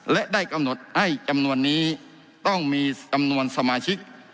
และได้กำหนดให้จำนวนนี้ต้องมีจำนวนสมาชิก